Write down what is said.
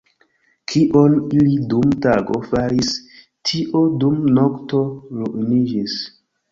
Kion ili dum tago faris, tio dum nokto ruiniĝis.